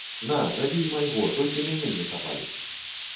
На, забі і майго, толькі мяне не чапай.